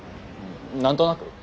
何となく。